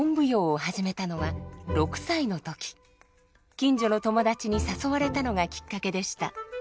近所の友達に誘われたのがきっかけでした。